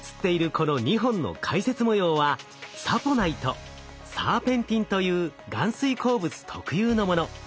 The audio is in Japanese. この２本の回折模様はサポナイトサーペンティンという含水鉱物特有のもの。